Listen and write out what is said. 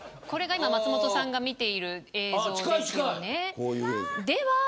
これが今、松本さんが見ている映像です。